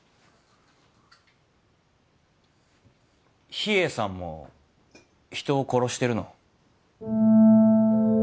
秘影さんも人を殺してるの？